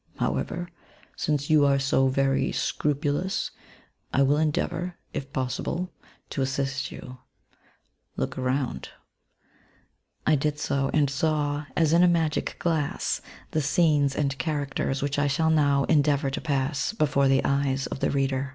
However, since you are so very scrupulous, I will endeavour, if possible, to assist you. Look around/' I did so ; and saw, as in a magic glass, the scenes and characters, which I shall now en deavour to pass